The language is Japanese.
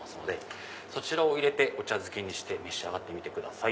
そちらを入れてお茶漬けにして召し上がってみてください。